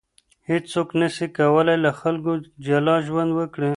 هیڅوک نسي کولای له خلکو جلا ژوند وکړي.